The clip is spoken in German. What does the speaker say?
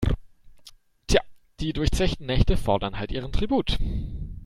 Tja, die durchzechten Nächte fordern halt ihren Tribut.